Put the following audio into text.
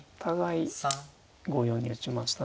５四に打ちましたね。